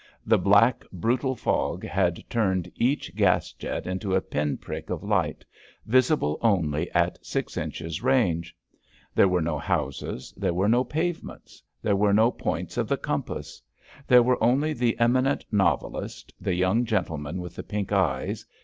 The black, brutal fog had turned each gas jet into a pin prick of light, visible only at six inches' range. There were no houses, there were no pavements. There were ho points of the compass. There were only the eminent novelist, the young gentleman with the pink eyes.